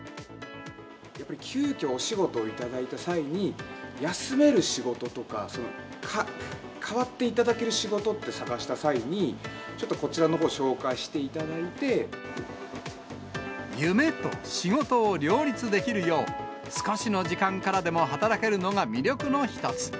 やっぱり急きょお仕事頂いた際に、休める仕事とか、代わっていただける仕事って探した際に、ちょっとこちらのほう紹夢と仕事を両立できるよう、少しの時間からでも働けるのが魅力の一つ。